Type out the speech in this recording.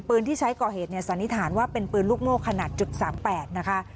ที่ใช้ก่อเหตุเนี่ยสันนิษฐานว่าเป็นปืนลูกโม่ขนาด๓๘นะคะ